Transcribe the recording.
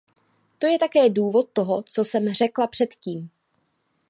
To je také důvod toho, co jsem řekla předtím.